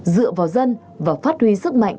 dựa vào dân và phát huy sức mạnh